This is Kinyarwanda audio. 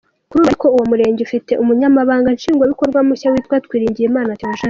Kuri ubu ariko uwo murenge ufite umunyamabanga nshingwa bikorwa mushya witwa Twiringiyimana Théogène.